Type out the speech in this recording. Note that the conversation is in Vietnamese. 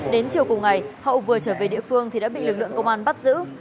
đến chiều cùng ngày hậu vừa trở về địa phương thì đã bị lực lượng công an bắt giữ